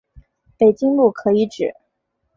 北京路可以指